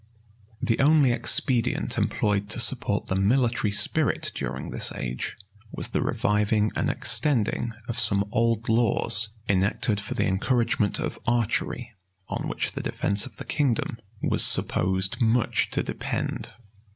The only expedient employed to support the military spirit during this age, was the reviving and extending of some old laws enacted for the encouragement of archery, on which the defence of the kingdom was supposed much to depend.